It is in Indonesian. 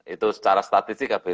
itu secara statistik